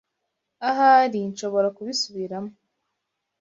Ahari nshobora kubisubiramo.